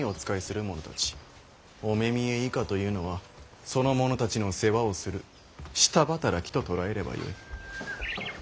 御目見以下というのはその者たちの世話をする下働きと捉えればよい。